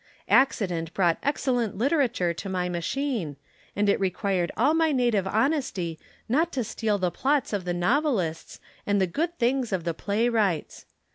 Accident brought excellent literature to my machine, and it required all my native honesty not to steal the plots of the novelists and the good things of the playwrights.